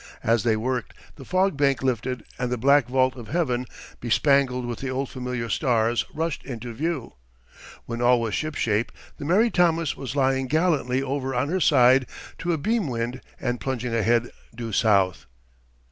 As they worked, the fog bank lifted and the black vault of heaven, bespangled with the old familiar stars, rushed into view. When all was shipshape, the Mary Thomas was lying gallantly over on her side to a beam wind and plunging ahead due south.